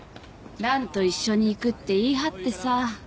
ランと一緒に行くって言い張ってさ。